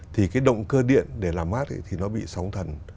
thì cái động cơ điện để làm mát thì nó bị sóng thần